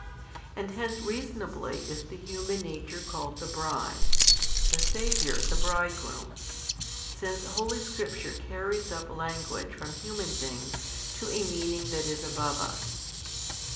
And hence reasonably is the human nature called the bride, the Saviour the Bridegroom; since holy Scripture carries up language from human things to a meaning that is above us.